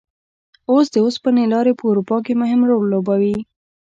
اوس د اوسپنې لارې په اروپا کې مهم رول لوبوي.